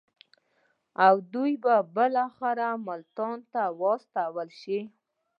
او دوی به بالاخره مالټا ته واستول شي.